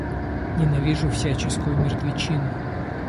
Ненавижу всяческую мертвечину!